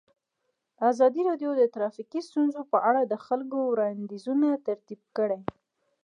ازادي راډیو د ټرافیکي ستونزې په اړه د خلکو وړاندیزونه ترتیب کړي.